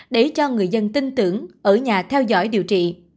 để cho người dân tin tưởng ở nhà theo dõi điều trị